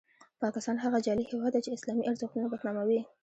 پاکستان هغه جعلي هیواد دی چې اسلامي ارزښتونه بدناموي.